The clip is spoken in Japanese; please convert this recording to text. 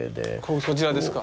こちらですか？